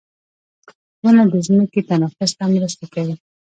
• ونه د ځمکې تنفس ته مرسته کوي.